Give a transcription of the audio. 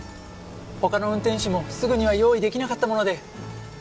他の運転手もすぐには用意出来なかったもので。